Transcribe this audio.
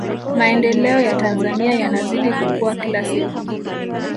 maendeleo ya tanzania yanazidi kukua kila siku